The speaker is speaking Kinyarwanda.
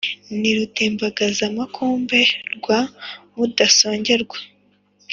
nti rutembagazamakombe rwa mudasongerwa